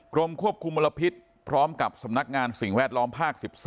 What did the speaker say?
กรมควบคุมมลพิษพร้อมกับสำนักงานสิ่งแวดล้อมภาค๑๒